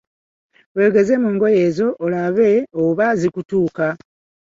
Weegeze mu ngoye ezo olabe oba zikutuuka.